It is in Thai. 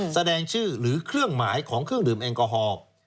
แสดงชื่อหรือเครื่องหมายของเครื่องดื่มแอลกอฮอล์